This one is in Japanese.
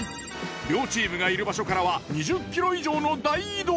両チームがいる場所からは２０ｋｍ以上の大移動。